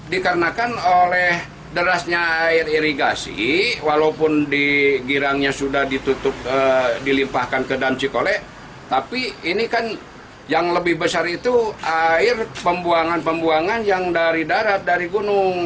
dikarenakan oleh derasnya air irigasi walaupun di girangnya sudah ditutup dilimpahkan ke danci kolek tapi ini kan yang lebih besar itu air pembuangan pembuangan yang dari darat dari gunung